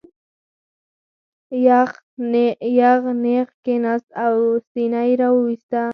یغ نېغ کېناست او سینه یې را وویسته.